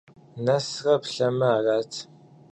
Нэсрэ плъэмэ - арат.